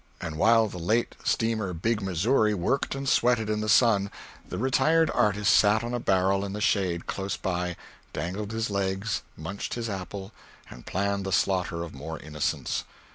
And while the late steamer Big Missouri worked and sweated in the sun, the retired artist sat on a barrel in the shade close by, dangled his legs, munched his apple, and planned the slaughter of more innocents.